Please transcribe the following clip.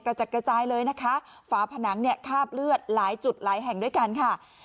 จัดกระจายเลยนะคะฝาผนังเนี่ยคาบเลือดหลายจุดหลายแห่งด้วยกันค่ะ